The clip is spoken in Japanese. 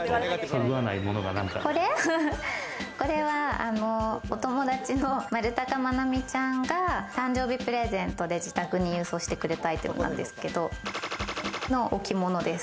これはお友達の丸高愛実ちゃんが誕生日プレゼントで自宅に郵送してくれたアイテムなんですけど。の置物です。